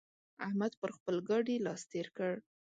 احمد پر خپل ګاډي لاس تېر کړ.